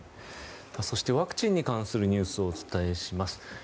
そしてワクチンに関するニュースをお伝えします。